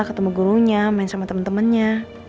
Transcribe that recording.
ketemu gurunya main sama temen temennya